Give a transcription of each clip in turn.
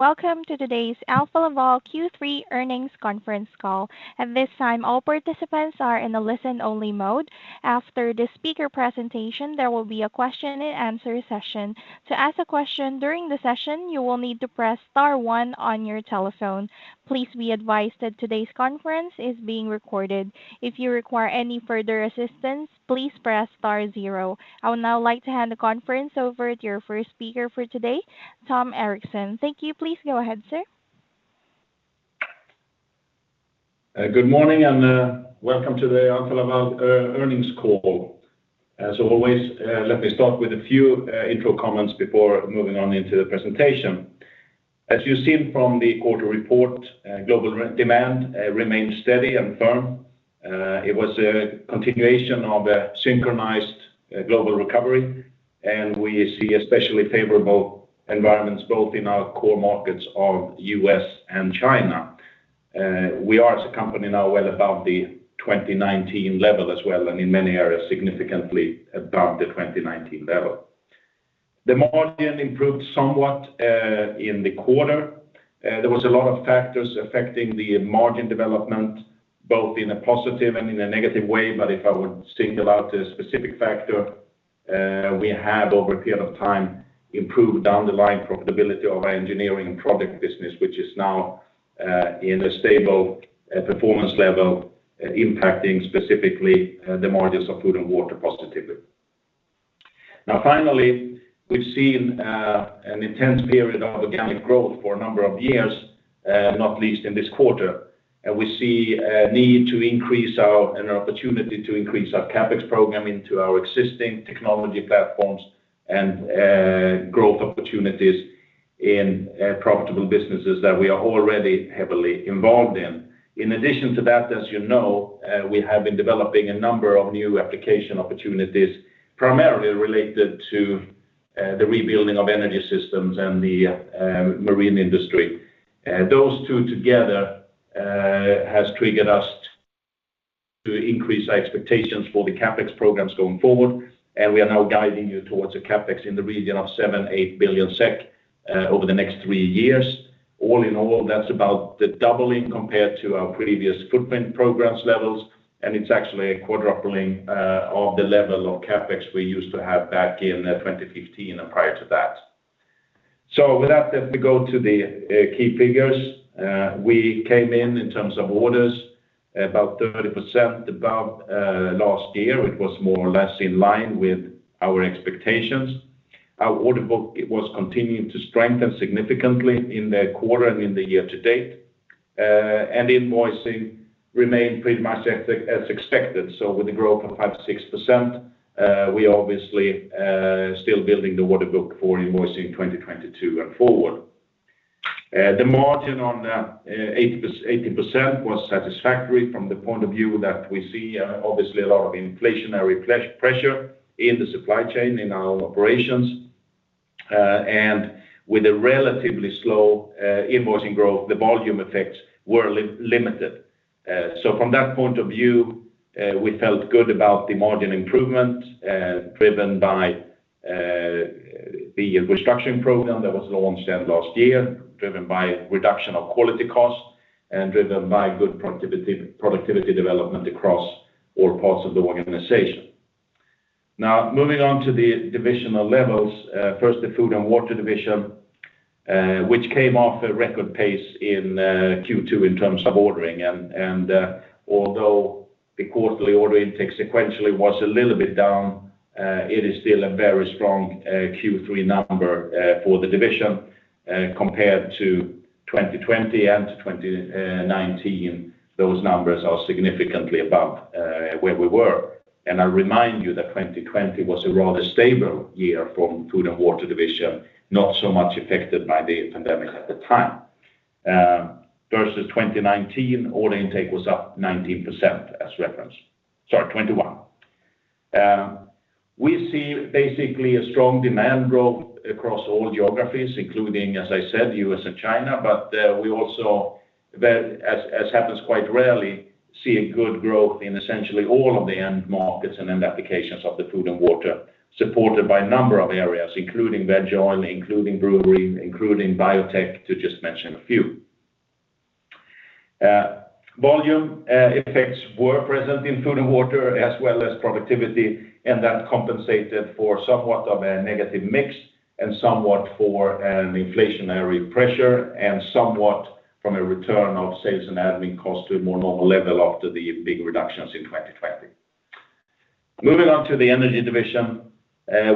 Welcome to today's Alfa Laval Q3 earnings conference call. At this time, all participants are in a listen-only mode. After the speaker presentation, there will be a question and answer session. To ask a question during the session, you will need to press star one on your telephone. Please be advised that today's conference is being recorded. If you require any further assistance, please press star zero. I would now like to hand the conference over to your first speaker for today, Tom Erixon. Thank you. Please go ahead, sir. Good morning and welcome to the Alfa Laval earnings call. As always, let me start with a few intro comments before moving on into the presentation. As you've seen from the quarter report, global demand remains steady and firm. It was a continuation of a synchronized global recovery, and we see especially favorable environments both in our core markets of U.S. and China. We are as a company now well above the 2019 level as well, and in many areas, significantly above the 2019 level. The margin improved somewhat in the quarter. There was a lot of factors affecting the margin development, both in a positive and in a negative way. If I would single out a specific factor, we have over a period of time improved down the line profitability of our engineering and product business, which is now in a stable performance level, impacting specifically the margins of Food & Water positively. Now finally, we've seen an intense period of organic growth for a number of years, not least in this quarter. We see an opportunity to increase our CapEx program into our existing technology platforms and growth opportunities in profitable businesses that we are already heavily involved in. In addition to that, as you know, we have been developing a number of new application opportunities, primarily related to the rebuilding of energy systems and the marine industry. Those two together has triggered us to increase our expectations for the CapEx programs going forward. We are now guiding you towards a CapEx in the region of 7 billion SEK, 8 billion SEK over the next three years. All in all, that's about the doubling compared to our previous footprint programs levels, and it's actually a quadrupling of the level of CapEx we used to have back in 2015 and prior to that. With that, let me go to the key figures. We came in in terms of orders about 30% above last year. It was more or less in line with our expectations. Our order book was continuing to strengthen significantly in the quarter and in the year-to-date. Invoicing remained pretty much as expected. With a growth of 5%-6%, we obviously still building the order book for invoicing 2022 and forward. The margin on 80% was satisfactory from the point of view that we see obviously a lot of inflationary pressure in the supply chain, in our operations. With a relatively slow invoicing growth, the volume effects were limited. From that point of view, we felt good about the margin improvement, driven by the restructuring program that was launched then last year, driven by reduction of quality costs and driven by good productivity development across all parts of the organization. Now, moving on to the divisional levels. First, the Food & Water division, which came off a record pace in Q2 in terms of ordering. Although the quarterly order intake sequentially was a little bit down, it is still a very strong Q3 number for the division compared to 2020 and to 2019. Those numbers are significantly above where we were. I remind you that 2020 was a rather stable year from Food & Water division, not so much affected by the pandemic at the time. Versus 2019, order intake was up 19% as referenced. Sorry, 21%. We see basically a strong demand growth across all geographies, including, as I said, U.S. and China. We also, as happens quite rarely, see a good growth in essentially all of the end markets and end applications of the Food & Water, supported by a number of areas, including vegetable oil, including brewery, including biotech, to just mention a few. Volume effects were present in Food & Water as well as productivity, and that compensated for somewhat of a negative mix and somewhat for an inflationary pressure and somewhat from a return of sales and admin costs to a more normal level after the big reductions in 2020. Moving on to the Energy Division.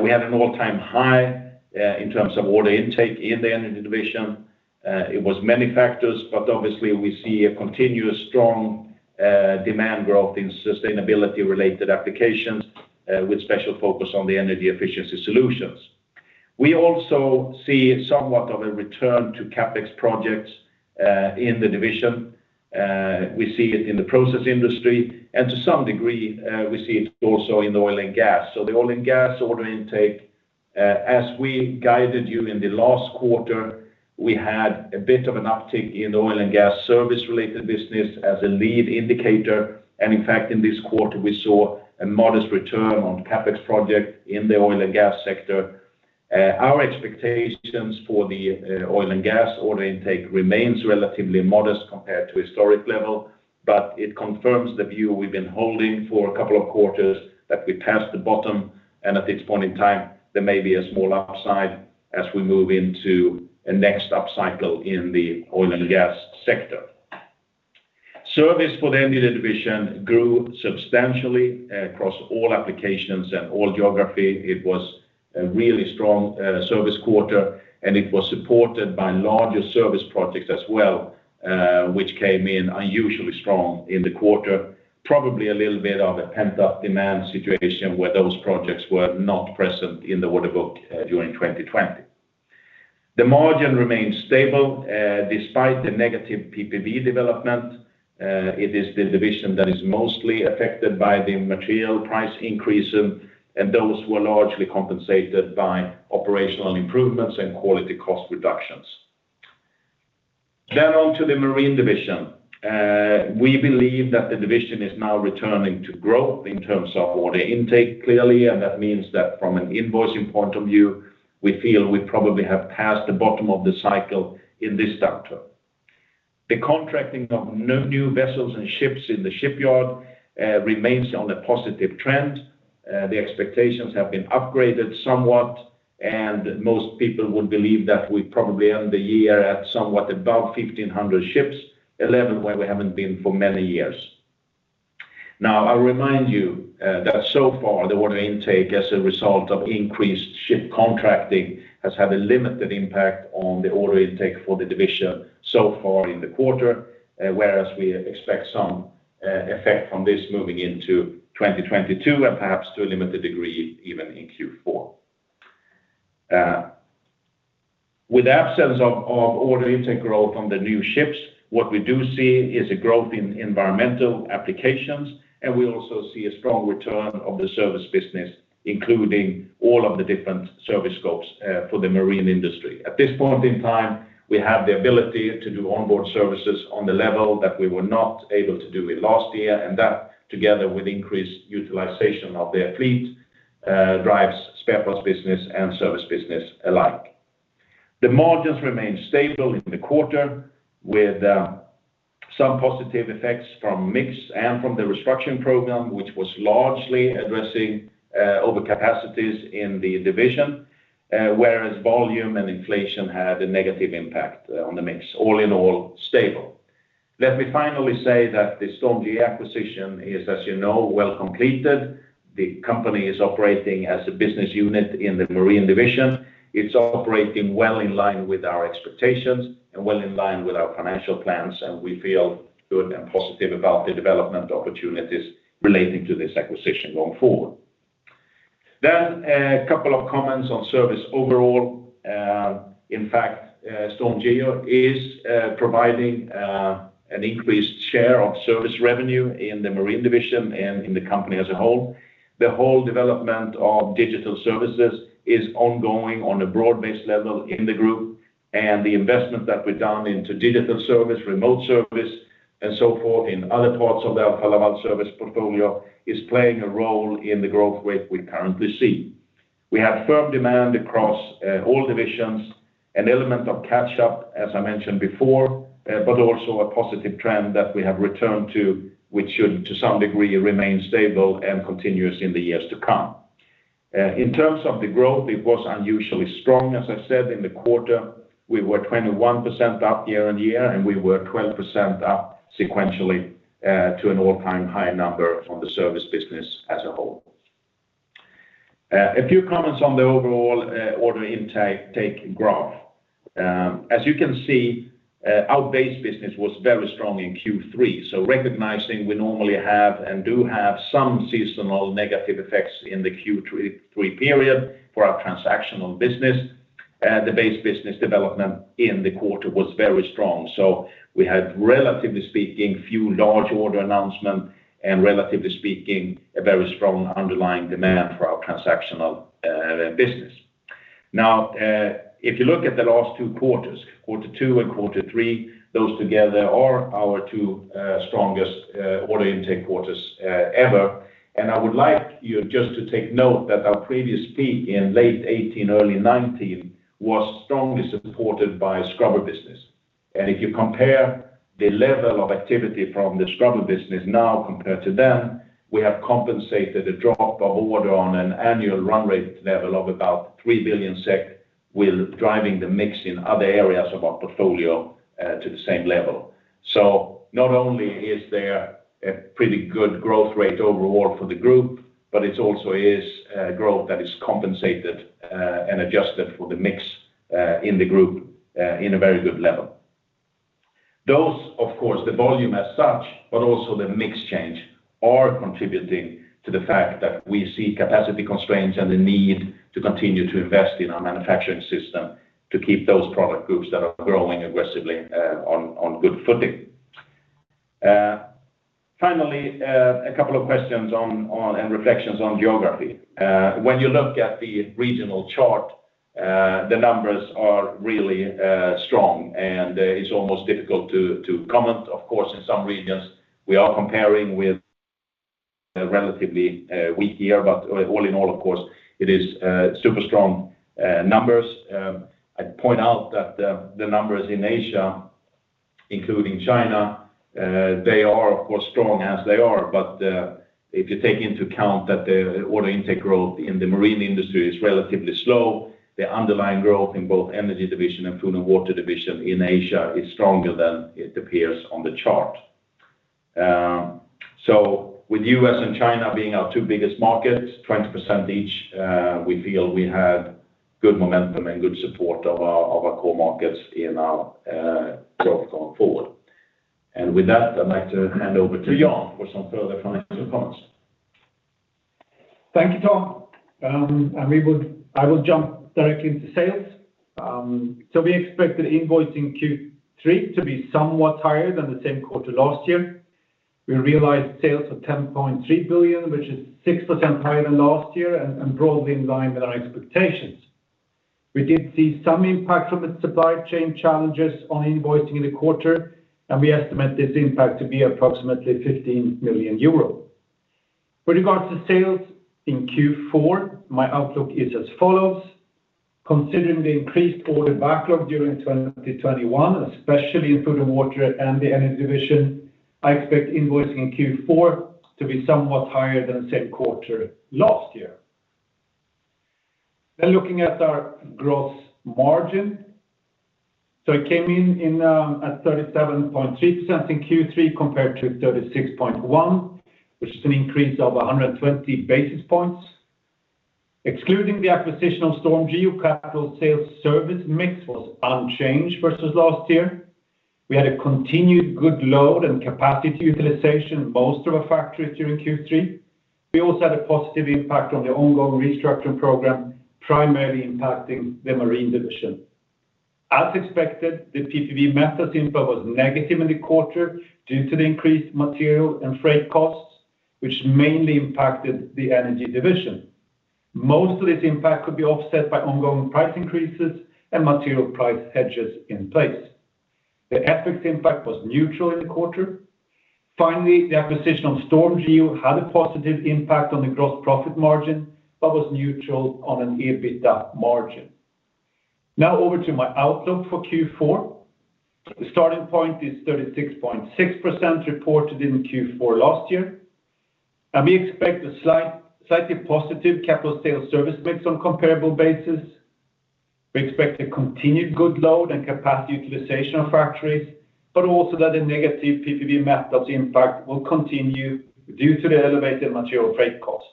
We had an all-time high in terms of order intake in the Energy Division. It was many factors, but obviously we see a continuous strong demand growth in sustainability-related applications with special focus on the energy efficiency solutions. We also see somewhat of a return to CapEx projects in the division. We see it in the process industry and to some degree we see it also in the oil and gas. The oil and gas order intake, as we guided you in the last quarter, we had a bit of an uptick in the oil and gas service-related business as a lead indicator. In fact, in this quarter, we saw a modest return on CapEx project in the oil and gas sector. Our expectations for the oil and gas order intake remains relatively modest compared to historic level, but it confirms the view we've been holding for a couple of quarters that we passed the bottom, and at this point in time, there may be a small upside as we move into a next upcycle in the oil and gas sector. Service for the Energy Division grew substantially across all applications and all geography. It was a really strong service quarter, and it was supported by larger service projects as well, which came in unusually strong in the quarter. Probably a little bit of a pent-up demand situation where those projects were not present in the order book during 2020. The margin remains stable despite the negative PPV development. It is the division that is mostly affected by the material price increase, and those were largely compensated by operational improvements and quality cost reductions. On to the Marine division. We believe that the division is now returning to growth in terms of order intake, clearly, and that means that from an invoicing point of view, we feel we probably have passed the bottom of the cycle in this downturn. The contracting of new vessels and ships in the shipyard remains on a positive trend. The expectations have been upgraded somewhat, and most people would believe that we probably end the year at somewhat above 1,500 ships, a level where we haven't been for many years. Now, I'll remind you that so far, the order intake as a result of increased ship contracting has had a limited impact on the order intake for the division so far in the quarter, whereas we expect some effect from this moving into 2022 and perhaps to a limited degree even in Q4. With absence of order intake growth on the new ships, what we do see is a growth in environmental applications, and we also see a strong return of the service business, including all of the different service scopes for the Marine industry. At this point in time, we have the ability to do onboard services on the level that we were not able to do it last year, and that, together with increased utilization of their fleet, drives spare parts business and service business alike. The margins remain stable in the quarter with some positive effects from mix and from the restructuring program, which was largely addressing overcapacities in the division, whereas volume and inflation had a negative impact on the mix. All in all, stable. Let me finally say that the StormGeo acquisition is, as you know, well completed. The company is operating as a business unit in the Marine Division. It's operating well in line with our expectations and well in line with our financial plans, and we feel good and positive about the development opportunities relating to this acquisition going forward. A couple of comments on service overall. In fact, StormGeo is providing an increased share of service revenue in the Marine Division and in the company as a whole. The whole development of digital services is ongoing on a broad-based level in the group, and the investment that we've done into digital service, remote service, and so forth in other parts of our service portfolio is playing a role in the growth rate we currently see. We have firm demand across all divisions, an element of catch-up, as I mentioned before, but also a positive trend that we have returned to, which should, to some degree, remain stable and continuous in the years to come. In terms of the growth, it was unusually strong, as I said, in the quarter. We were 21% up year-on-year, and we were 12% up sequentially, to an all-time high number from the service business as a whole. A few comments on the overall order intake graph. As you can see, our base business was very strong in Q3. Recognizing we normally have and do have some seasonal negative effects in the Q3 period for our transactional business, the base business development in the quarter was very strong. We had, relatively speaking, few large order announcements and, relatively speaking, a very strong underlying demand for our transactional business. Now, if you look at the last two quarters, quarter two and quarter three, those together are our two strongest order intake quarters ever. I would like you just to take note that our previous peak in late 2018, early 2019 was strongly supported by scrubber business. If you compare the level of activity from the scrubber business now compared to then, we have compensated a drop of order on an annual run rate level of about 3 billion SEK with driving the mix in other areas of our portfolio to the same level. Not only is there a pretty good growth rate overall for the group, but it also is growth that is compensated and adjusted for the mix in the group in a very good level. Those, of course, the volume as such, but also the mix change, are contributing to the fact that we see capacity constraints and the need to continue to invest in our manufacturing system to keep those product groups that are growing aggressively on good footing. Finally, a couple of questions and reflections on geography. When you look at the regional chart, the numbers are really strong, and it's almost difficult to comment. Of course, in some regions, we are comparing with a relatively weak year, but all in all, of course, it is super strong numbers. I'd point out that the numbers in Asia, including China, they are of course strong as they are. If you take into account that the order intake growth in the Marine industry is relatively slow, the underlying growth in both Energy Division and Food & Water Division in Asia is stronger than it appears on the chart. With U.S. and China being our two biggest markets, 20% each, we feel we have good momentum and good support of our core markets in our growth going forward. With that, I'd like to hand over to Jan for some further financial comments. Thank you, Tom. I will jump directly into sales. So we expected invoicing Q3 to be somewhat higher than the same quarter last year. We realized sales of 10.3 billion, which is 6% higher than last year and broadly in line with our expectations. We did see some impact from the supply chain challenges on invoicing in the quarter, and we estimate this impact to be approximately 15 million euros. With regards to sales in Q4, my outlook is as follows: considering the increased order backlog during 2021, especially in Food & Water and the Energy Division, I expect invoicing in Q4 to be somewhat higher than the same quarter last year. Looking at our gross margin. It came in at 37.3% in Q3 compared to 36.1%, which is an increase of 120 basis points. Excluding the acquisition of StormGeo, capital sales service mix was unchanged versus last year. We had continued good load and capacity utilization in most of our factories during Q3. We also had a positive impact from the ongoing restructuring program, primarily in the Marine Division. As expected, the PPV net impact was negative in the quarter due to the increased material and freight costs, which mainly impacted the Energy Division. Most of this impact could be offset by ongoing price increases and material price hedges in place. The FX impact was neutral in the quarter. Finally, the acquisition of StormGeo had a positive impact on the gross profit margin, but was neutral on an EBITDA margin. Now over to my outlook for Q4. The starting point is 36.6% reported in Q4 last year. We expect a slightly positive capital sales service mix on comparable basis. We expect a continued good load and capacity utilization of factories, but also that the negative PPV methods impact will continue due to the elevated material freight costs.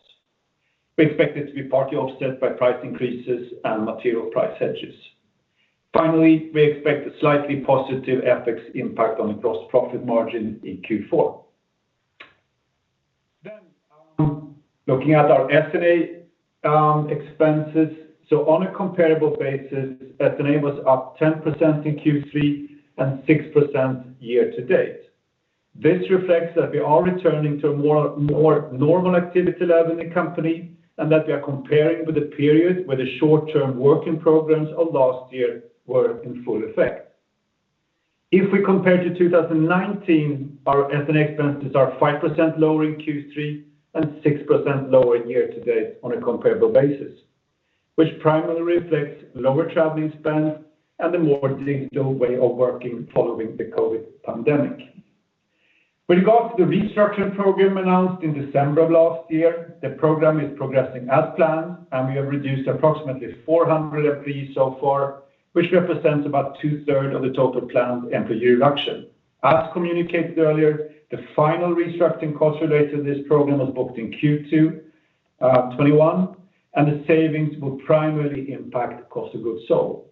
We expect it to be partly offset by price increases and material price hedges. Finally, we expect a slightly positive FX impact on the gross profit margin in Q4. Looking at our S&A expenses. On a comparable basis, S&A was up 10% in Q3 and 6% year to date. This reflects that we are returning to a more normal activity level in the company, and that we are comparing with a period where the short-term working programs of last year were in full effect. If we compare to 2019, our S&A expenses are 5% lower in Q3 and 6% lower in year to date on a comparable basis, which primarily reflects lower traveling spend and a more digital way of working following the COVID pandemic. With regard to the restructuring program announced in December of last year, the program is progressing as planned, and we have reduced approximately 400 employees so far, which represents about 2/3 of the total planned employee reduction. As communicated earlier, the final restructuring costs related to this program was booked in Q2 2021, and the savings will primarily impact cost of goods sold.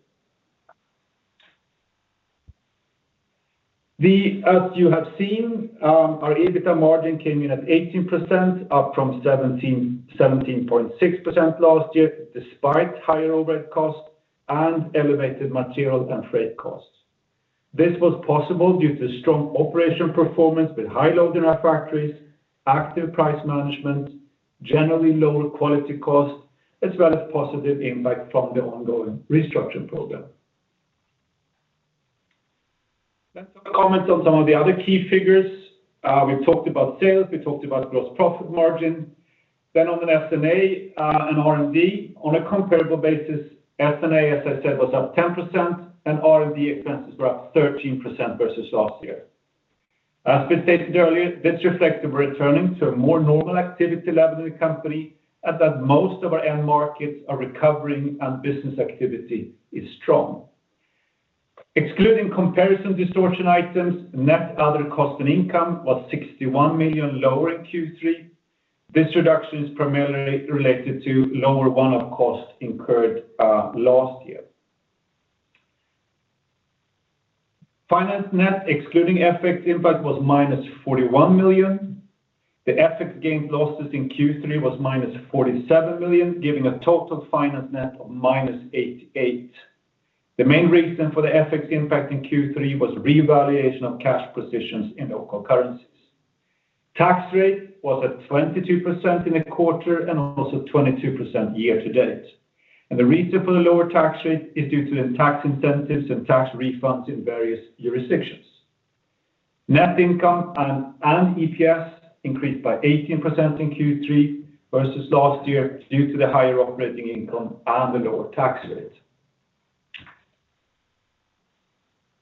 As you have seen, our EBITDA margin came in at 18%, up from 17.6% last year, despite higher overhead costs and elevated material and freight costs. This was possible due to strong operation performance with high load in our factories, active price management, generally lower quality costs, as well as positive impact from the ongoing restructuring program. Let's have a comment on some of the other key figures. We talked about sales, we talked about gross profit margin. Then on the S&A and R&D on a comparable basis, S&A, as I said, was up 10% and R&D expenses were up 13% versus last year. As we stated earlier, this reflects that we're returning to a more normal activity level in the company and that most of our end markets are recovering and business activity is strong. Excluding comparison distortion items, net other cost and income was 61 million lower in Q3. This reduction is primarily related to lower one-off costs incurred last year. Finance net excluding FX impact was -41 million. The FX gains losses in Q3 was -47 million, giving a total finance net of -88 million. The main reason for the FX impact in Q3 was revaluation of cash positions in local currencies. Tax rate was at 22% in the quarter and also 22% year to date. The reason for the lower tax rate is due to the tax incentives and tax refunds in various jurisdictions. Net income and EPS increased by 18% in Q3 versus last year due to the higher operating income and the lower tax rate.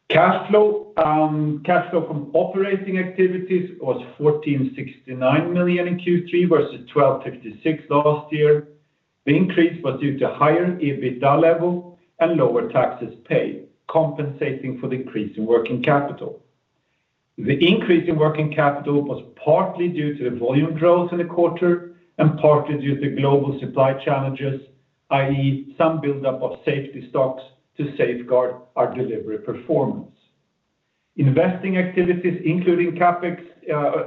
Cash flow from operating activities was 1,469 million in Q3 versus 1,256 million last year. The increase was due to higher EBITDA level and lower taxes paid, compensating for the increase in working capital. The increase in working capital was partly due to the volume growth in the quarter and partly due to global supply challenges, i.e., some build-up of safety stocks to safeguard our delivery performance. Investing activities, including CapEx,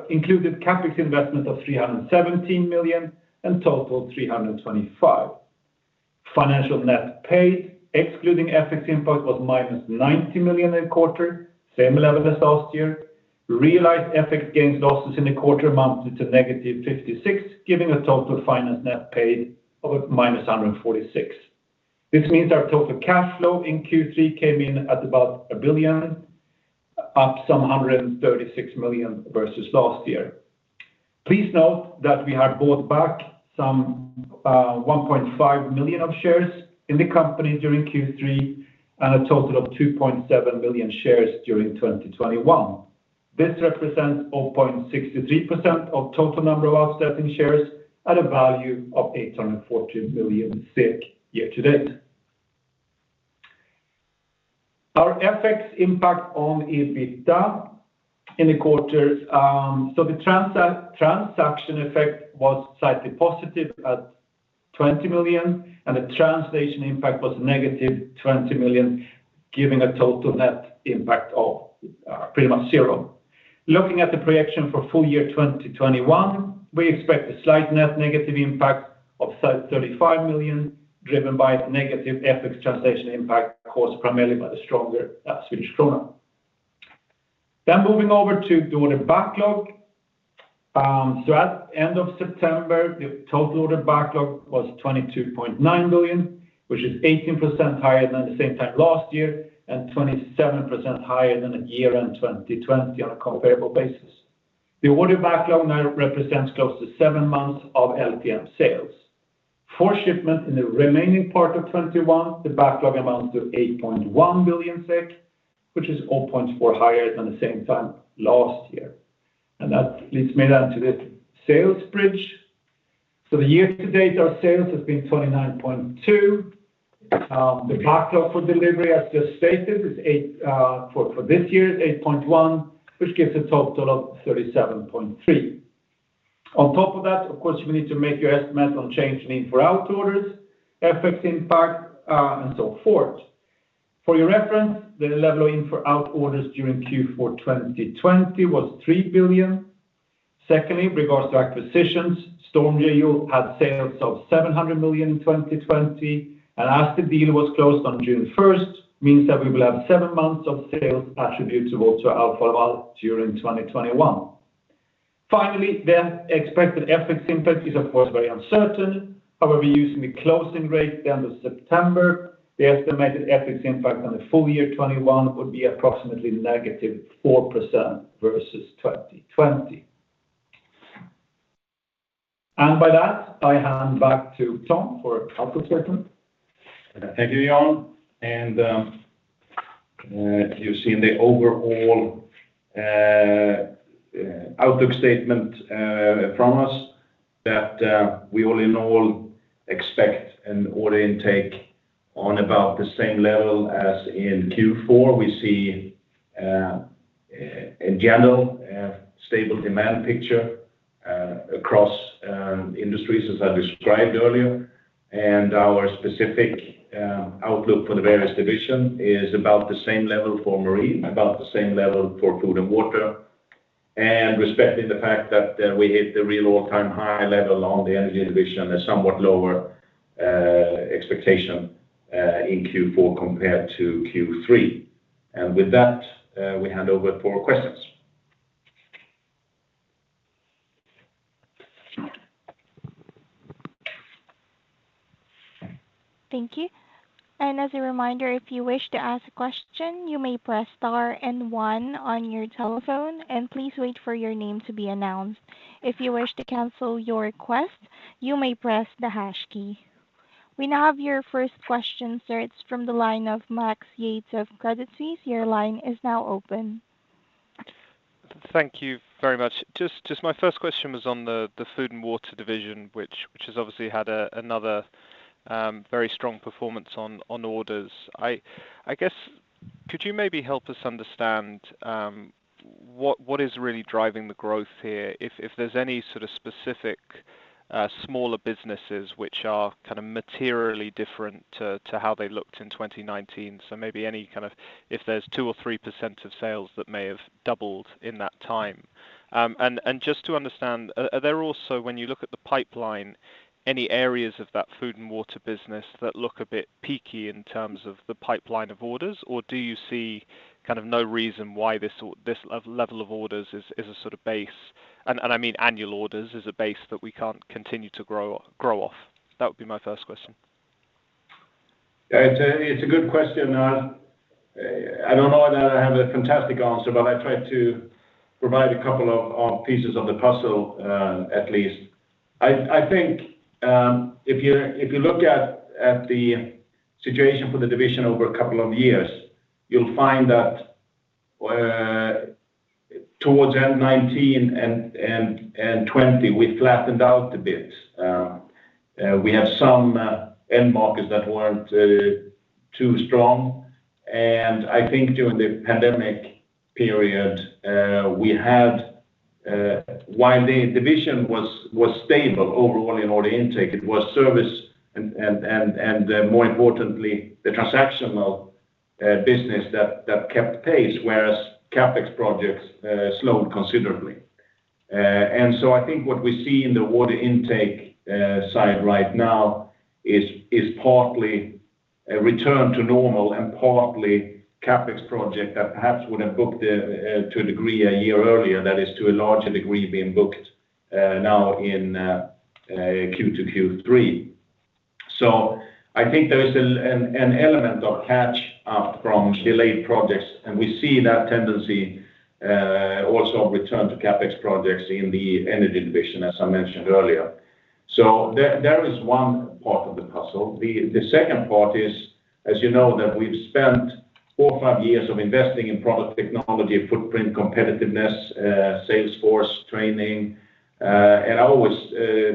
included CapEx investment of 317 million and total 325 million. Financial net paid, excluding FX impact, was -90 million in quarter, same level as last year. Realized FX gains losses in the quarter amounted to -56 million, giving a total finance net paid of -146 million. This means our total cash flow in Q3 came in at about 1 billion, up 136 million versus last year. Please note that we have bought back 1.5 million shares in the company during Q3 and a total of 2.7 million shares during 2021. This represents 0.63% of total number of outstanding shares at a value of 814 million year to date. Our FX impact on EBITDA in the quarter. The transaction effect was slightly positive at 20 million, and the translation impact was -20 million, giving a total net impact of pretty much zero. Looking at the projection for full year 2021, we expect a slight net negative impact of 35 million, driven by negative FX translation impact caused primarily by the stronger Swedish krona. Moving over to the order backlog. At end of September, the total order backlog was 22.9 billion, which is 18% higher than the same time last year and 27% higher than at year-end 2020 on a comparable basis. The order backlog now represents close to seven months of LTM sales. For shipment in the remaining part of 2021, the backlog amounts to 8.1 billion SEK, which is 0.4% higher than the same time last year. That leads me then to the sales bridge. The year to date, our sales has been 29.2 billion. The backlog for delivery, as just stated, is 8.1 billion for this year, which gives a total of 37.3 billion. On top of that, of course, you will need to make your estimate on change in in-for-out orders, FX impact, and so forth. For your reference, the level of in-for-out orders during Q4 2020 was 3 billion. Second, regarding acquisitions, StormGeo had sales of 700 million in 2020, and as the deal was closed on June 1, which means that we will have seven months of sales attributable to Alfa Laval during 2021. Finally, the expected FX impact is, of course, very uncertain. However, using the closing rate at the end of September, the estimated FX impact on the full year 2021 would be approximately -4% versus 2020. By that, I hand back to Tom for outlook statement. Thank you, Jan. You've seen the overall outlook statement from us that we all in all expect an order intake on about the same level as in Q4. We see in general a stable demand picture across industries, as I described earlier. Our specific outlook for the various division is about the same level for Marine, about the same level for Food & Water, and respecting the fact that we hit the real all-time high level on the Energy division, a somewhat lower expectation in Q4 compared to Q3. With that, we hand over for questions. Thank you. As a reminder, if you wish to ask a question, you may press star and one on your telephone, and please wait for your name to be announced. If you wish to cancel your request, you may press the hash key. We now have your first question, sir. It's from the line of Max Yates of Credit Suisse. Your line is now open. Thank you very much. Just my first question was on the Food & Water division, which has obviously had another very strong performance on orders. I guess could you maybe help us understand what is really driving the growth here? If there's any sort of specific smaller businesses which are kind of materially different to how they looked in 2019. If there's 2% or 3% of sales that may have doubled in that time. And just to understand are there also, when you look at the pipeline, any areas of that Food & Water business that look a bit peaky in terms of the pipeline of orders? Do you see kind of no reason why this level of orders is a sort of base. And I mean annual orders is a base that we can't continue to grow off. That would be my first question. It's a good question. I don't know that I have a fantastic answer, but I'll try to provide a couple of pieces of the puzzle, at least. I think if you look at the situation for the division over a couple of years, you'll find that towards end 2019 and 2020, we flattened out a bit. We have some end markets that weren't too strong, and I think during the pandemic period, we had while the division was stable overall in order intake, it was service and more importantly, the transactional business that kept pace, whereas CapEx projects slowed considerably. I think what we see in the water intake side right now is partly a return to normal and partly CapEx projects that perhaps would have booked to a degree a year earlier, that is to a larger degree being booked now in Q2, Q3. I think there is an element of catch up from delayed projects, and we see that tendency also a return to CapEx projects in the Energy Division, as I mentioned earlier. There is one part of the puzzle. The second part is, as you know, that we've spent four, five years investing in product technology, footprint competitiveness, sales force training, and I always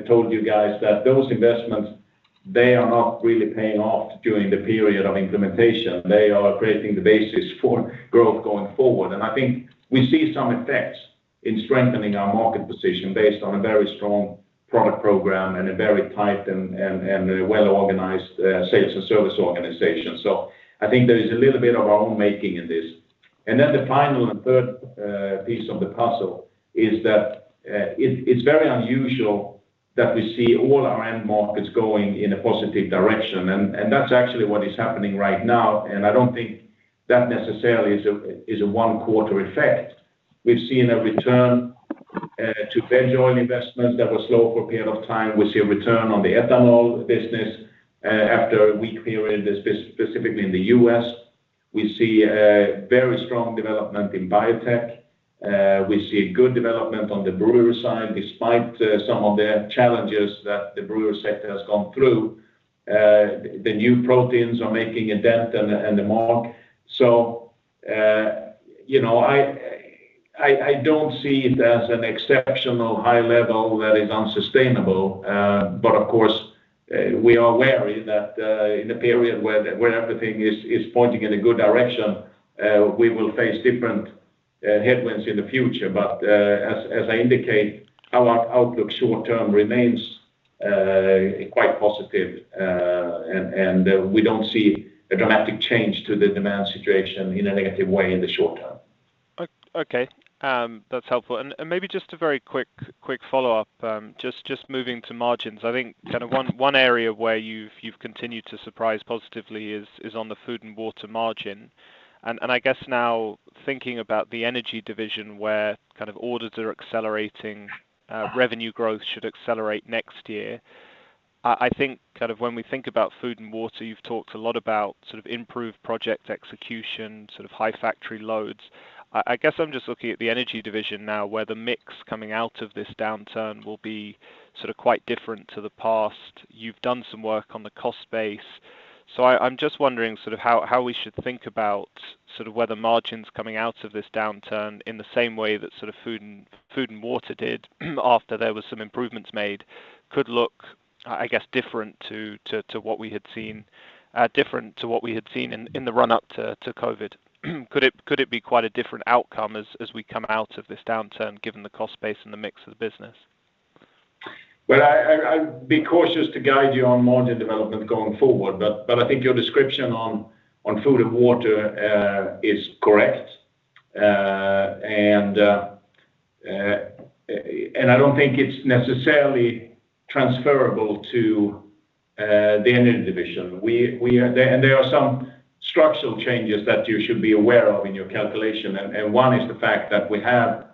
told you guys that those investments, they are not really paying off during the period of implementation. They are creating the basis for growth going forward. I think we see some effects in strengthening our market position based on a very strong product program and a very tight and a well-organized sales and service organization. I think there is a little bit of our own making in this. Then the final and third piece of the puzzle is that it's very unusual that we see all our end markets going in a positive direction. That's actually what is happening right now, and I don't think that necessarily is a one quarter effect. We've seen a return to Vegetable oil investments that were slow for a period of time. We see a return on the ethanol business after a weak period specifically in the U.S. We see a very strong development in Biotech. We see good development on the brewer side despite some of the challenges that the brewer sector has gone through. The new proteins are making a dent in the margin. You know, I don't see it as an exceptional high level that is unsustainable. Of course, we are wary that in a period where everything is pointing in a good direction, we will face different headwinds in the future. As I indicate, our outlook short-term remains quite positive. We don't see a dramatic change to the demand situation in a negative way in the short term. Okay. That's helpful. Maybe just a very quick follow-up, just moving to margins. I think kind of one area where you've continued to surprise positively is on the Food & Water margin. I guess now thinking about the Energy Division where kind of orders are accelerating, revenue growth should accelerate next year. I think kind of when we think about Food & Water, you've talked a lot about sort of improved project execution, sort of high factory loads. I guess I'm just looking at the Energy Division now where the mix coming out of this downturn will be sort of quite different to the past. You've done some work on the cost base. I'm just wondering sort of how we should think about sort of whether margins coming out of this downturn in the same way that sort of Food & Water did after there was some improvements made could look, I guess, different to what we had seen in the run-up to COVID. Could it be quite a different outcome as we come out of this downturn given the cost base and the mix of the business? Well, I’d be cautious to guide you on margin development going forward, but I think your description on Food & Water is correct. I don’t think it’s necessarily transferable to the Energy Division. There are some structural changes that you should be aware of in your calculation, and one is the fact that we have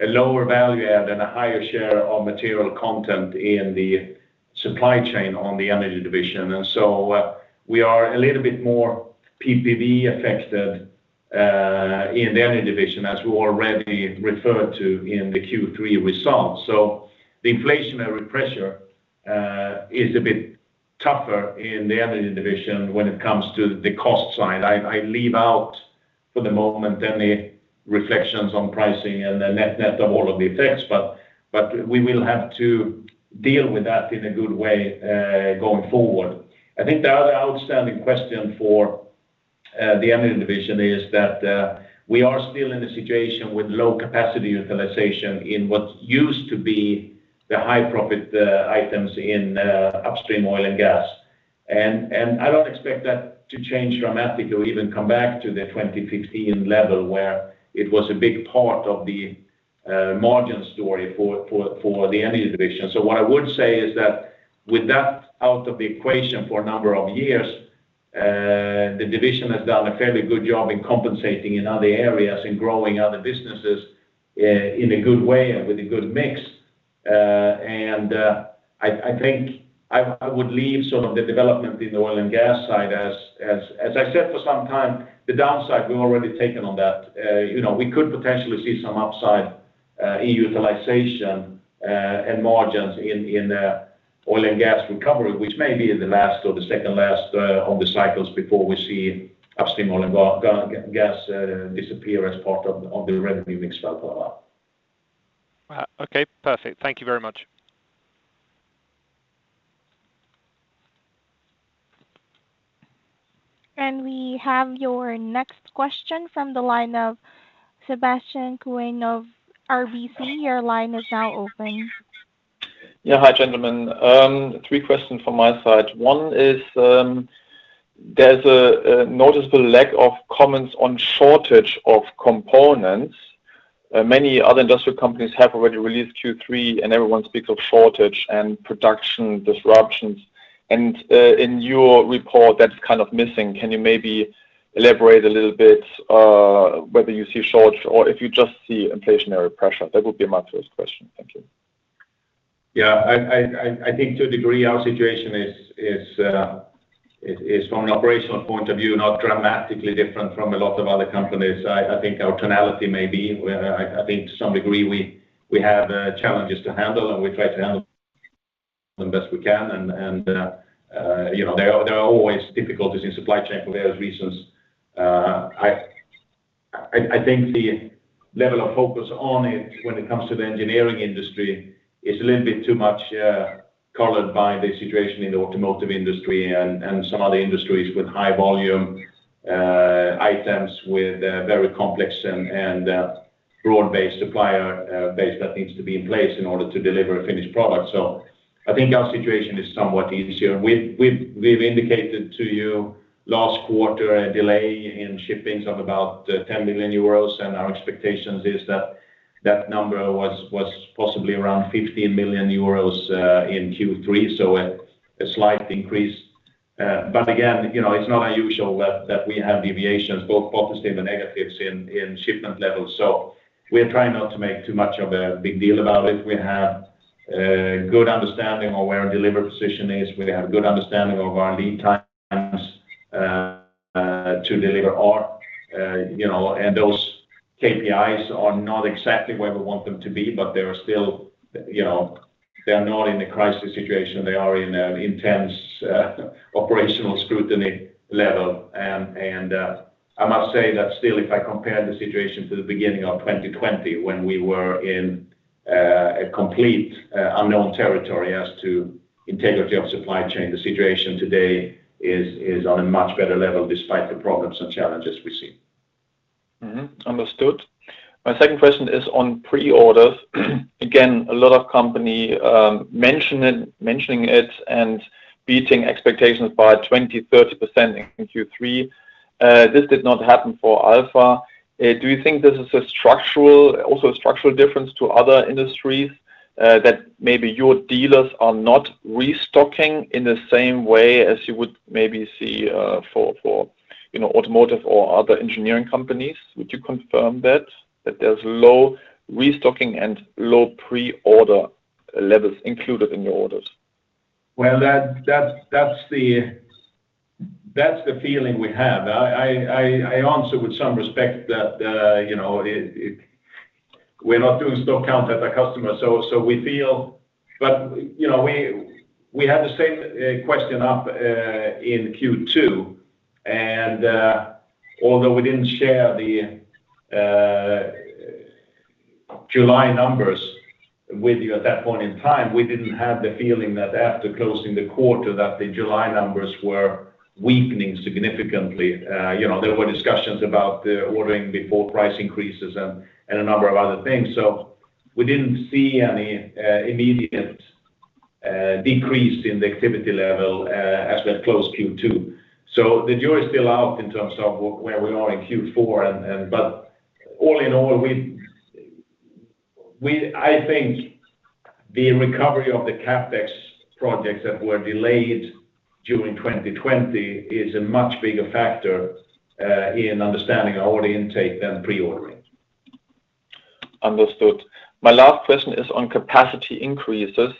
a lower value add and a higher share of material content in the supply chain on the Energy Division. We are a little bit more PPV affected in the Energy Division as we already referred to in the Q3 results. The inflationary pressure is a bit tougher in the Energy Division when it comes to the cost side. I leave out for the moment any reflections on pricing and the net of all of the effects, but we will have to deal with that in a good way, going forward. I think the other outstanding question for the Energy Division is that we are still in a situation with low capacity utilization in what used to be the high profit items in upstream oil and gas. I don't expect that to change dramatically or even come back to the 2015 level where it was a big part of the margin story for the Energy Division. What I would say is that with that out of the equation for a number of years. The division has done a fairly good job in compensating in other areas, in growing other businesses in a good way and with a good mix. I think I would leave some of the development in the oil and gas side as I said, for some time, the downside we've already taken on that. We could potentially see some upside in utilization and margins in oil and gas recovery, which may be in the last or the second last of the cycles before we see upstream oil and gas disappear as part of the revenue mix for Alfa. Okay, perfect. Thank you very much. We have your next question from the line of Sebastian Kuenne of RBC. Your line is now open. Yeah. Hi, gentlemen. Three questions from my side. One is, there's a noticeable lack of comments on shortage of components. Many other industrial companies have already released Q3, and everyone speaks of shortage and production disruptions. In your report, that's kind of missing. Can you maybe elaborate a little bit, whether you see shortage or if you just see inflationary pressure? That would be my first question. Thank you. Yeah. I think to a degree our situation is from an operational point of view, not dramatically different from a lot of other companies. I think our tonality may be where I think to some degree, we have challenges to handle, and we try to handle them best we can. You know, there are always difficulties in supply chain for various reasons. I think the level of focus on it when it comes to the engineering industry is a little bit too much colored by the situation in the automotive industry and some other industries with high volume items with very complex and broad-based supplier base that needs to be in place in order to deliver a finished product. I think our situation is somewhat easier. We've indicated to you last quarter a delay in shipments of about 10 million euros, and our expectations is that that number was possibly around 15 million euros in Q3, so a slight increase. But again, you know, it's not unusual that we have deviations, both positive and negative in shipment levels. We're trying not to make too much of a big deal about it. We have a good understanding of where our delivery position is. We have good understanding of our lead times to deliver our. Those KPIs are not exactly where we want them to be, but they're still not in a crisis situation. They are in an intense operational scrutiny level. I must say that still, if I compare the situation to the beginning of 2020 when we were in a complete unknown territory as to integrity of supply chain, the situation today is on a much better level despite the problems and challenges we see. Understood. My second question is on pre-orders. Again, a lot of companies mentioning it and beating expectations by 20%, 30% in Q3. This did not happen for Alfa. Do you think this is a structural difference to other industries that maybe your dealers are not restocking in the same way as you would maybe see for you know, automotive or other engineering companies? Would you confirm that there's low restocking and low pre-order levels included in your orders? Well, that's the feeling we have. I answer with some respect that you know, we're not doing stock count at the customer, so we feel. You know, we had the same question came up in Q2, and although we didn't share the July numbers with you at that point in time, we didn't have the feeling that after closing the quarter that the July numbers were weakening significantly. You know, there were discussions about the ordering before price increases and a number of other things. We didn't see any immediate decrease in the activity level as we closed Q2. The jury is still out in terms of where we are in Q4. I think the recovery of the CapEx projects that were delayed during 2020 is a much bigger factor in understanding our order intake than pre-ordering. Understood. My last question is on capacity increases.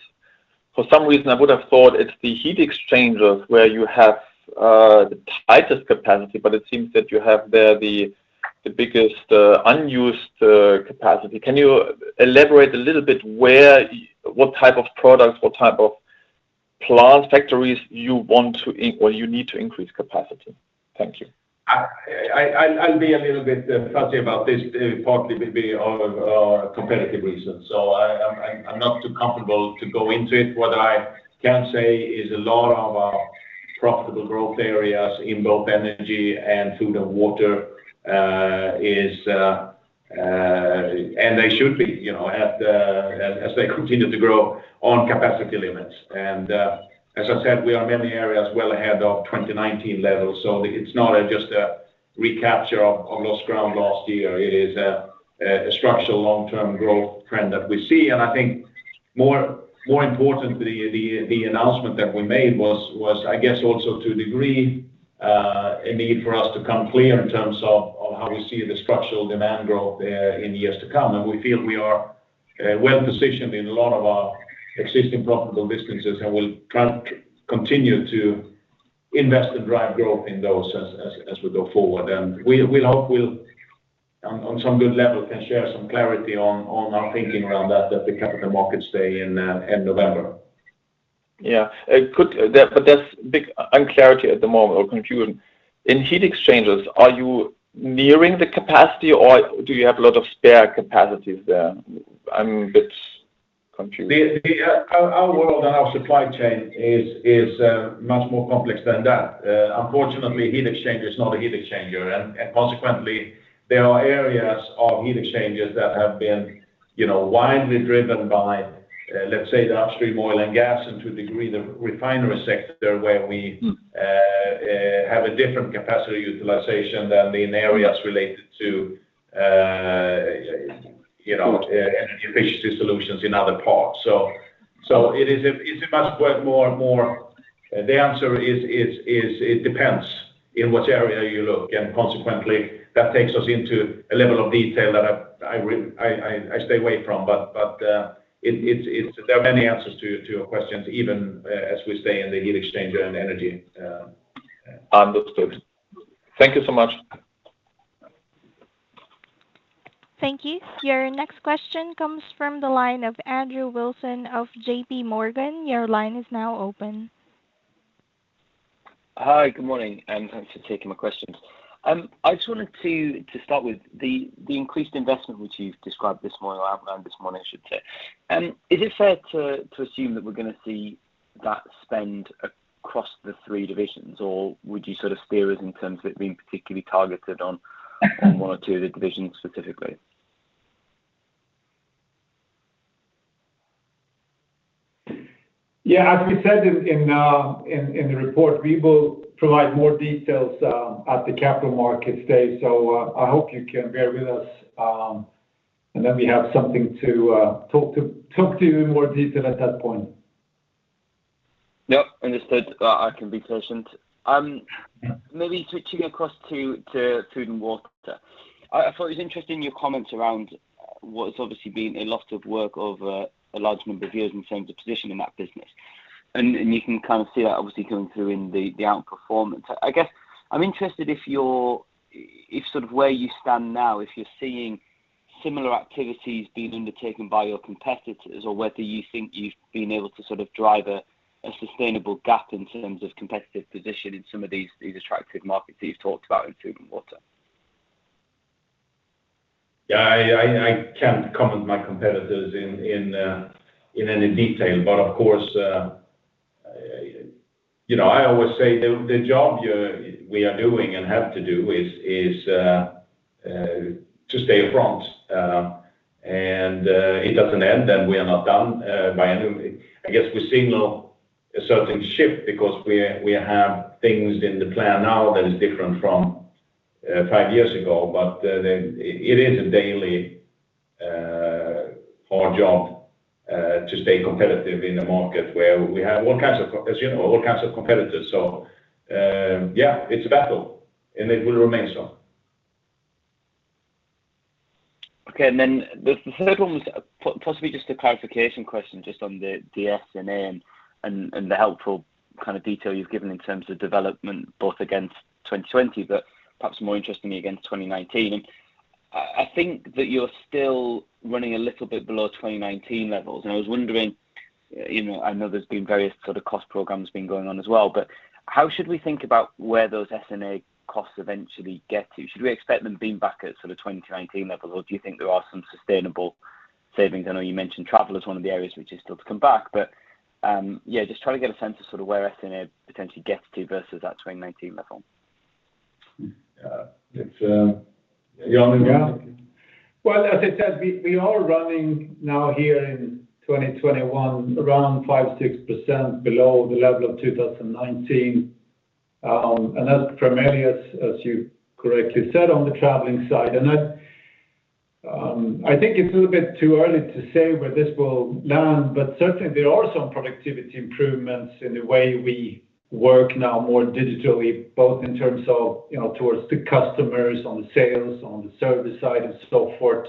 For some reason, I would have thought it's the heat exchangers where you have the tightest capacity, but it seems that you have there the biggest unused capacity. Can you elaborate a little bit where, what type of products, what type of plant factories you want to or you need to increase capacity? Thank you. I'll be a little bit fuzzy about this, partly maybe or competitive reasons, so I'm not too comfortable to go into it. What I can say is a lot of our profitable growth areas in both Energy and Food & Water is. They should be, you know, at as they continue to grow on capacity limits. As I said, we're in many areas well ahead of 2019 levels, so it's not just a recapture of lost ground last year. It is a structural long-term growth trend that we see, and I think more important, the announcement that we made was, I guess, also to a degree, a need for us to come clean in terms of how we see the structural demand growth in years to come. We feel we are well-positioned in a lot of our existing profitable businesses, and we'll try to continue to invest and drive growth in those as we go forward. We hope we'll on some good level can share some clarity on our thinking around that at the Capital Markets Day in November. Yeah. It could. There's big uncertainty at the moment or confusion. In heat exchangers, are you nearing the capacity, or do you have a lot of spare capacities there? I'm a bit confused. Our world and our supply chain is much more complex than that. Unfortunately, heat exchanger is not a heat exchanger. Consequently, there are areas of heat exchangers that have been, you know, widely driven by, let's say, the upstream oil and gas and to a degree the refinery sector where have a different capacity utilization than the areas related to, you know, energy efficiency solutions in other parts. The answer is, it depends in which area you look. Consequently, that takes us into a level of detail that I stay away from. There are many answers to your questions, even as we stay in the heat exchanger and Energy. Understood. Thank you so much. Thank you. Your next question comes from the line of Andrew Wilson of JPMorgan. Your line is now open. Hi. Good morning, and thanks for taking my questions. I just wanted to start with the increased investment which you've described this morning or outlined this morning, I should say. Is it fair to assume that we're gonna see that spend across the three divisions, or would you sort of steer us in terms of it being particularly targeted on one or two of the divisions specifically? Yeah. As we said in the report, we will provide more details at the Capital Markets Day. I hope you can bear with us, and then we have something to talk to you in more detail at that point. Yep. Understood. I can be patient. Maybe switching across to Food & Water. I thought it was interesting your comments around what's obviously been a lot of work over a large number of years in terms of positioning that business. You can kind of see that obviously coming through in the outperformance. I guess I'm interested in sort of where you stand now, if you're seeing similar activities being undertaken by your competitors or whether you think you've been able to sort of drive a sustainable gap in terms of competitive position in some of these attractive markets that you've talked about in Food & Water. Yeah. I can't comment on competitors in any detail. Of course, you know, I always say the job here we are doing and have to do is to stay upfront. It doesn't end, and we are not done by any. I guess we're seeing a certain shift because we have things in the plan now that is different from five years ago. It is a daily hard job to stay competitive in a market where we have all kinds of, as you know, all kinds of competitors. Yeah, it's a battle, and it will remain so. Okay. Then the third one was possibly just a clarification question just on the S&A and the helpful kind of detail you've given in terms of development both against 2020, but perhaps more interestingly against 2019. I think that you're still running a little bit below 2019 levels. I was wondering, you know, I know there's been various sort of cost programs been going on as well, but how should we think about where those S&A costs eventually get to? Should we expect them being back at sort of 2019 levels, or do you think there are some sustainable savings? I know you mentioned travel is one of the areas which is still to come back. Yeah, just trying to get a sense of sort of where S&A potentially gets to versus that 2019 level. Yeah, it's. Jan do you want to take it? Well, as I said, we are running now here in 2021 around 5%-6% below the level of 2019, and that's primarily, as you correctly said, on the traveling side. That, I think it's a little bit too early to say where this will land, but certainly there are some productivity improvements in the way we work now more digitally, both in terms of, you know, towards the customers on the sales, on the service side, and so forth.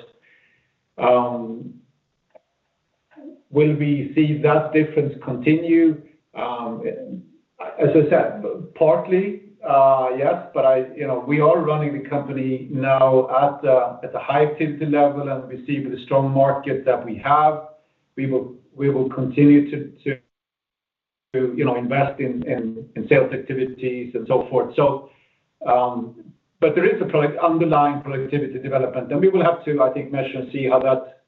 Will we see that difference continue? As I said, partly, yes, but you know, we are running the company now at the high capacity level, and we see with the strong market that we have, we will continue to, you know, invest in sales activities and so forth. There is underlying productivity development, and we will have to, I think, measure and see how that,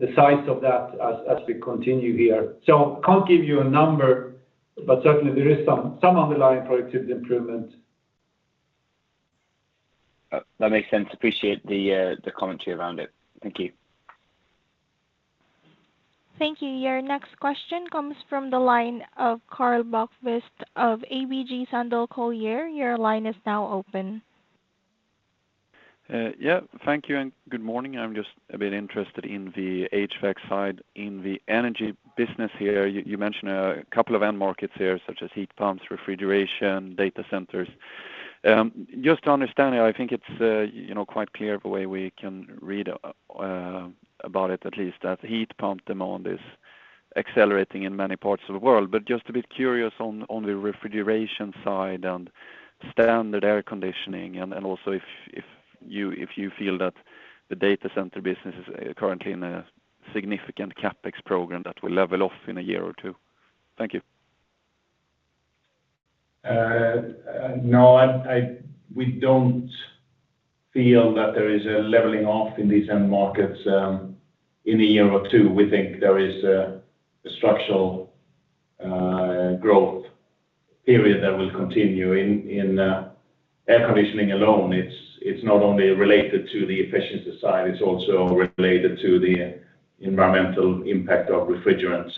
the size of that as we continue here. Can't give you a number, but certainly there is some underlying productivity improvement. That makes sense. Appreciate the commentary around it. Thank you. Thank you. Your next question comes from the line of Karl Bokvist of ABG Sundal Collier. Your line is now open. Yeah. Thank you and good morning. I'm just a bit interested in the HVAC side. In the energy business here, you mentioned a couple of end markets here such as heat pumps, refrigeration, data centers. Just to understand here, I think it's, you know, quite clear the way we can read about it at least that the heat pump demand is accelerating in many parts of the world. Just a bit curious on the refrigeration side and standard air conditioning and also if you feel that the data center business is currently in a significant CapEx program that will level off in a year or two. Thank you. No. We don't feel that there is a leveling off in these end markets in a year or two. We think there is a structural growth period that will continue. In air conditioning alone, it's not only related to the efficiency side, it's also related to the environmental impact of refrigerants.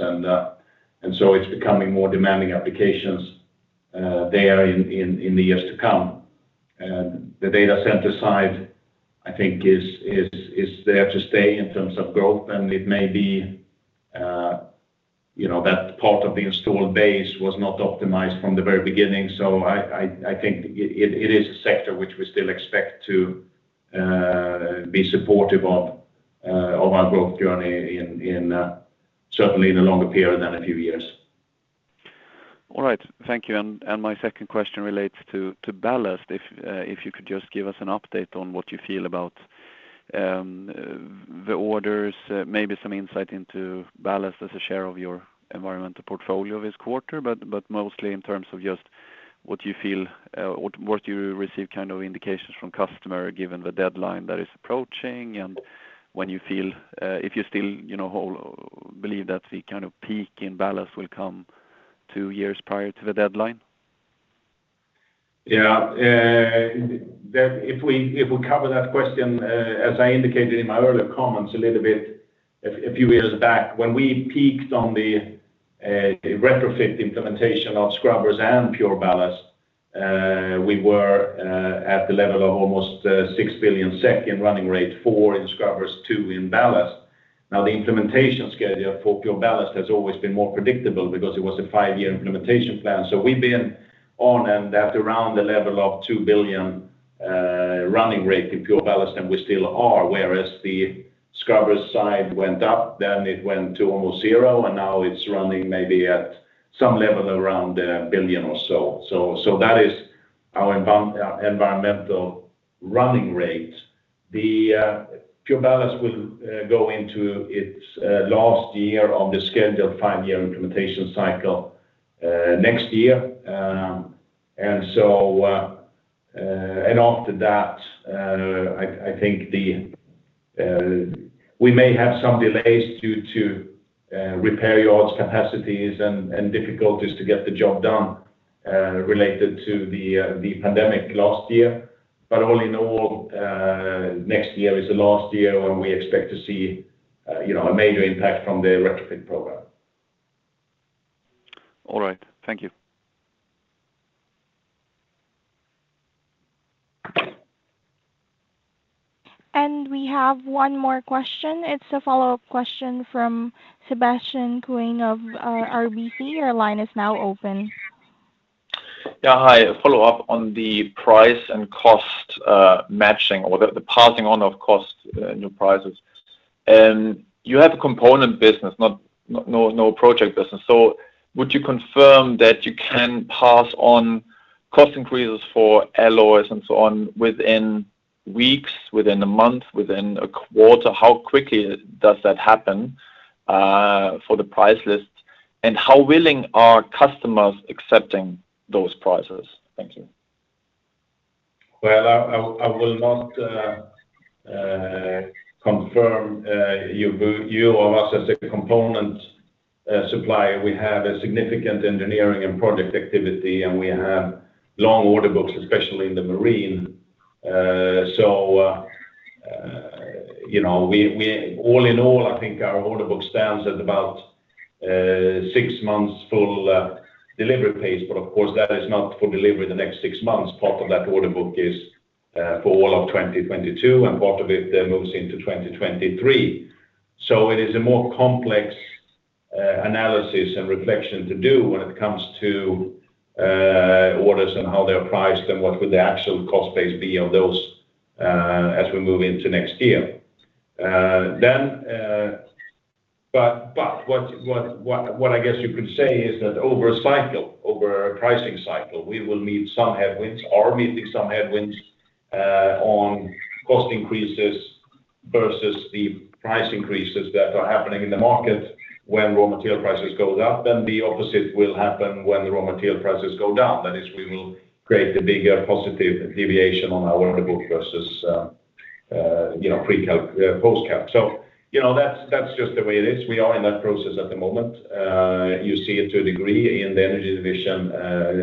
So it's becoming more demanding applications there in the years to come. The data center side, I think is there to stay in terms of growth. It may be, you know, that part of the installed base was not optimized from the very beginning. I think it is a sector which we still expect to be supportive of our growth journey certainly in the longer period than a few years. All right. Thank you. My second question relates to ballast. If you could just give us an update on what you feel about the orders, maybe some insight into ballast as a share of your environmental portfolio this quarter. Mostly in terms of just what you feel or what you receive kind of indications from customer given the deadline that is approaching and when you feel, if you still, you know, believe that the kind of peak in ballast will come two years prior to the deadline. That if we cover that question, as I indicated in my earlier comments a little bit a few years back, when we peaked on the retrofit implementation of scrubbers and PureBallast, we were at the level of almost 6 billion SEK in running rate, 4 billion in scrubbers, 2 billion in ballast. Now, the implementation schedule for PureBallast has always been more predictable because it was a five-year implementation plan. We've been on and at around the level of 2 billion running rate in PureBallast, and we still are, whereas the scrubber side went up, then it went to almost zero, and now it's running maybe at some level around 1 billion or so. That is our environmental running rate. The PureBallast will go into its last year on the scheduled five-year implementation cycle next year. After that, I think we may have some delays due to repair yards capacities and difficulties to get the job done related to the pandemic last year. All in all, next year is the last year when we expect to see you know, a major impact from the retrofit program. All right. Thank you. We have one more question. It's a follow-up question from Sebastian Kuenne of RBC. Your line is now open. Yeah. Hi. A follow-up on the price and cost matching or the passing on of cost new prices. You have a component business, no project business. Would you confirm that you can pass on cost increases for alloys and so on within weeks, within a month, within a quarter? How quickly does that happen for the price list? And how willing are customers accepting those prices? Thank you. Well, I will not confirm your view of us as a component supplier. We have a significant engineering and project activity, and we have long order books, especially in the Marine. You know, all in all, I think our order book stands at about six months full delivery pace. Of course, that is not for delivery in the next six months. Part of that order book is for all of 2022, and part of it then moves into 2023. It is a more complex analysis and reflection to do when it comes to orders and how they're priced and what would the actual cost base be of those as we move into next year. But what I guess you could say is that over a cycle, over a pricing cycle, we will meeting some headwinds on cost increases versus the price increases that are happening in the market when raw material prices goes up. The opposite will happen when the raw material prices go down. That is, we will create a bigger positive deviation on our order book versus, you know, versus post cap. You know, that's just the way it is. We are in that process at the moment. You see it to a degree in the Energy Division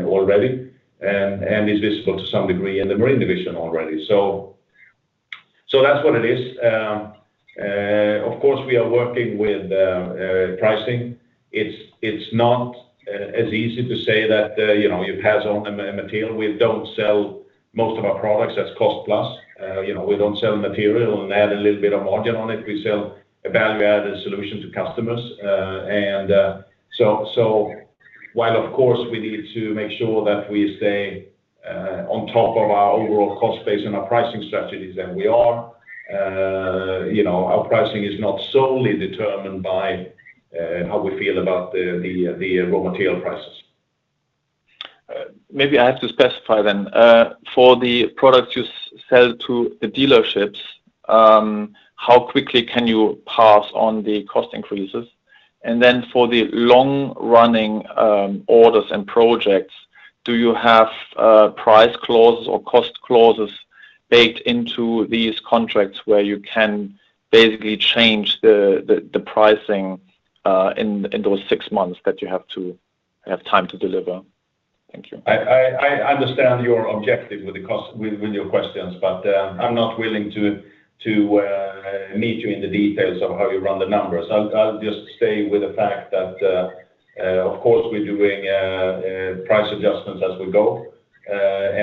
already, and it's visible to some degree in the Marine Division already. That's what it is. Of course, we are working with pricing. It's not as easy to say that, you know, it has a material. We don't sell most of our products as cost plus. You know, we don't sell material and add a little bit of margin on it. We sell a value-added solution to customers. While, of course, we need to make sure that we stay on top of our overall cost base and our pricing strategies, and we are, you know, our pricing is not solely determined by how we feel about the raw material prices. Maybe I have to specify then. For the products you sell to the dealerships, how quickly can you pass on the cost increases? Then for the long-running orders and projects, do you have price clauses or cost clauses baked into these contracts where you can basically change the pricing in those six months that you have to have time to deliver? Thank you. I understand your objective with your questions, but I'm not willing to meet you in the details of how we run the numbers. I'll just stay with the fact that of course, we're doing price adjustments as we go.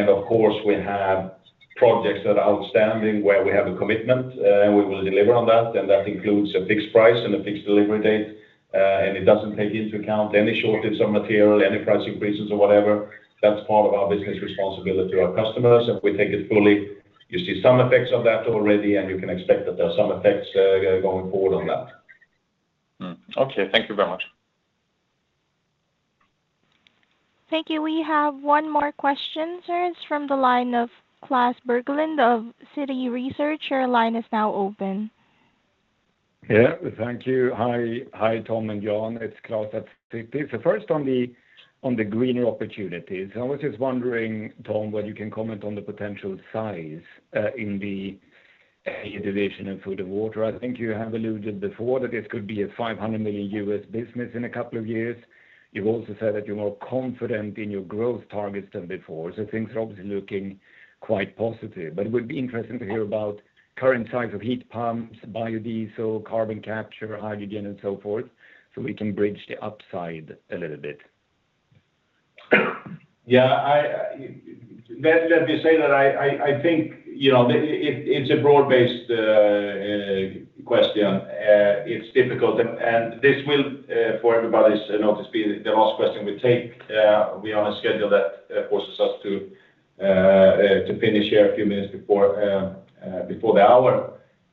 Of course, we have projects that are outstanding, where we have a commitment, and we will deliver on that, and that includes a fixed price and a fixed delivery date. It doesn't take into account any shortage of material, any price increases or whatever. That's part of our business responsibility to our customers, and we take it fully. You see some effects of that already, and you can expect that there are some effects going forward on that. Okay. Thank you very much. Thank you. We have one more question, sir. It's from the line of Klas Bergelind of Citi Research. Your line is now open. Yeah, thank you. Hi, Tom and Jan. It's Klas at Citi. First, on the greener opportunities, I was just wondering, Tom, whether you can comment on the potential size in your division in Food & Water. I think you have alluded before that this could be a $500 million business in a couple of years. You've also said that you're more confident in your growth targets than before, so things are obviously looking quite positive. It would be interesting to hear about current size of heat pumps, biodiesel, carbon capture, hydrogen, and so forth, so we can bridge the upside a little bit. Yeah, let me say that I think, you know, it's a broad-based question. It's difficult. This will, for everybody's, you know, to be the last question we take. We are on a schedule that forces us to finish here a few minutes before the hour.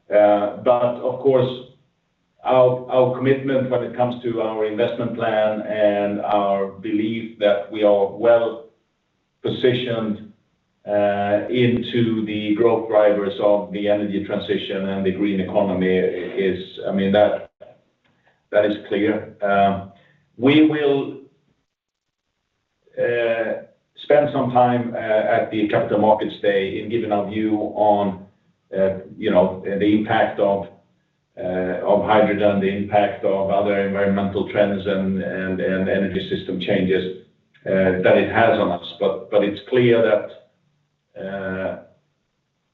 Of course, our commitment when it comes to our investment plan and our belief that we are well-positioned into the growth drivers of the energy transition and the green economy is clear. I mean, that is clear. We will spend some time at the Capital Markets Day in giving our view on, you know, the impact of hydrogen, the impact of other environmental trends and energy system changes that it has on us. It's clear that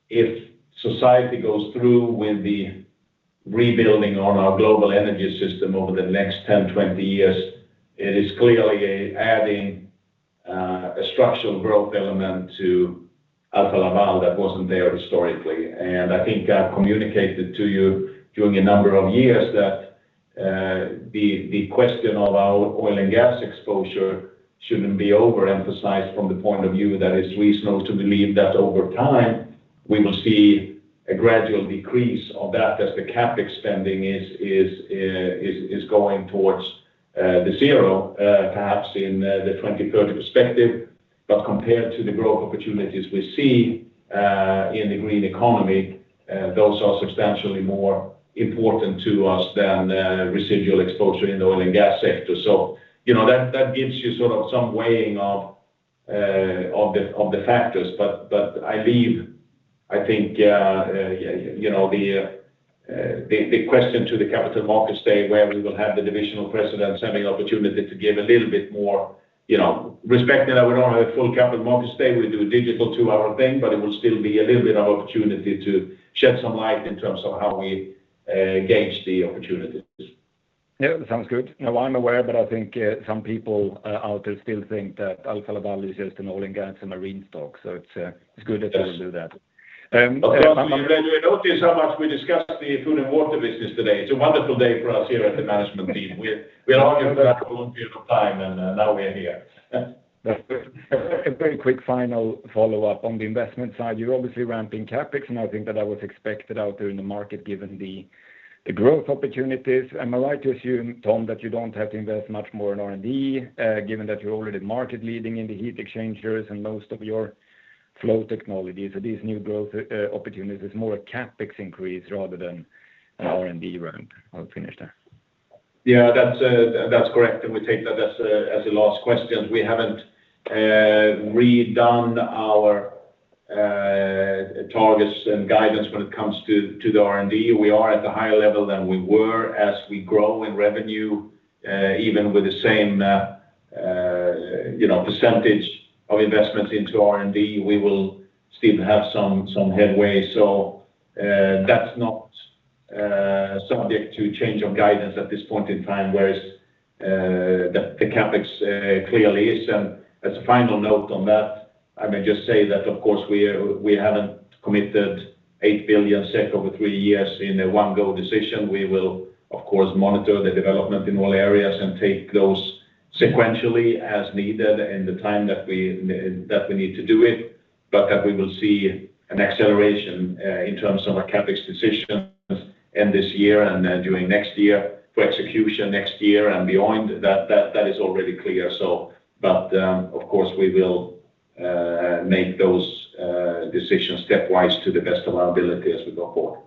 if society goes through with the rebuilding on our global energy system over the next 10, 20 years, it is clearly adding a structural growth element to Alfa Laval that wasn't there historically. I think I communicated to you during a number of years that the question of our oil and gas exposure shouldn't be overemphasized from the point of view that it's reasonable to believe that over time, we will see a gradual decrease of that as the CapEx spending is going towards the zero, perhaps in the 2030 perspective. Compared to the growth opportunities we see in the green economy, those are substantially more important to us than the residual exposure in the oil and gas sector. You know, that gives you sort of some weighing of the factors. I leave, I think, you know, the question to the Capital Markets Day, where we will have the divisional presidents having an opportunity to give a little bit more, you know, given that we don't have a full Capital Markets Day. We do a digital two-hour thing, but it will still be a little bit of opportunity to shed some light in terms of how we gauge the opportunities. Yeah, sounds good. Now, I'm aware, but I think some people out there still think that Alfa Laval is just an oil and gas and marine stock. It's good that you will do that. You notice how much we discussed the Food & Water business today. It's a wonderful day for us here at the management team. We're arguing for that for a long period of time, and now we're here. That's good. A very quick final follow-up on the investment side. You're obviously ramping CapEx, and I think that was expected out there in the market given the growth opportunities. Am I right to assume, Tom, that you don't have to invest much more in R&D, given that you're already market-leading in the heat exchangers and most of your flow technologies? Are these new growth opportunities more a CapEx increase rather than an R&D round? I'll finish there. Yeah, that's correct, and we take that as the last question. We haven't redone our targets and guidance when it comes to the R&D. We are at a higher level than we were as we grow in revenue, even with the same, you know, percentage of investments into R&D, we will still have some headway. That's not subject to change of guidance at this point in time, whereas the CapEx clearly is. As a final note on that, I may just say that, of course, we haven't committed 8 billion SEK over three years in a one-go decision. We will, of course, monitor the development in all areas and take those sequentially as needed in the time that we need to do it. That we will see an acceleration in terms of our CapEx decisions in this year and then during next year for execution next year and beyond, that is already clear. Of course, we will make those decisions stepwise to the best of our ability as we go forward.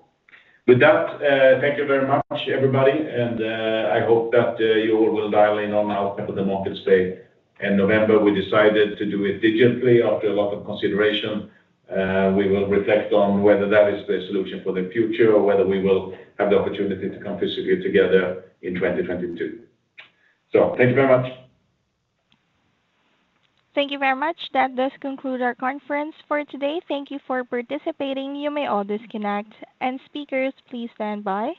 With that, thank you very much, everybody. I hope that you all will dial in on our Capital Markets Day in November. We decided to do it digitally after a lot of consideration. We will reflect on whether that is the solution for the future or whether we will have the opportunity to come physically together in 2022. Thank you very much. Thank you very much. That does conclude our conference for today. Thank you for participating. You may all disconnect. Speakers, please stand by.